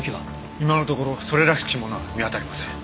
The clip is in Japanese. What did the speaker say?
今のところそれらしきものは見当たりません。